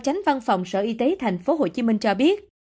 tránh văn phòng sở y tế tp hcm cho biết